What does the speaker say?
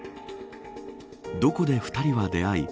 どこで２人は出会い